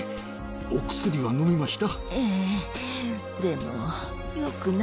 お薬は飲みました？